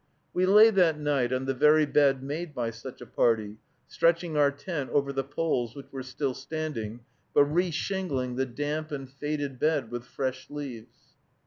We lay that night on the very bed made by such a party, stretching our tent over the poles which were still standing, but re shingling the damp and faded bed with fresh leaves.